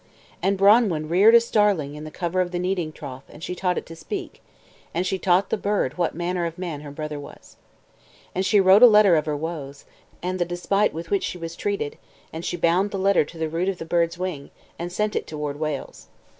And Branwen reared a starling in the cover of the kneading trough, and she taught it to speak, and she taught the bird what manner of man her brother was. And she wrote a letter of her woes, and the despite with which she was treated, and she bound the letter to the root of the bird's wing, and sent it toward Wales.